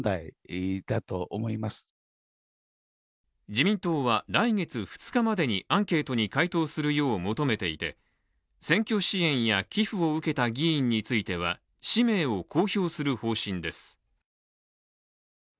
自民党は来月２日までにアンケートに回答するよう求めていて選挙支援や寄付を受けた議員については氏名を公表する方針です。